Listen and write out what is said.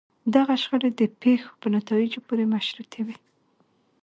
دغه شخړې د پېښو په نتایجو پورې مشروطې وي.